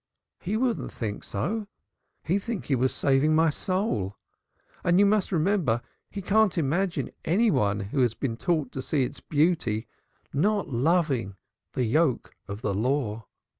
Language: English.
"He wouldn't think so. He'd think he was saving my soul, and you must remember he can't imagine any one who has been taught to see its beauty not loving the yoke of the Law.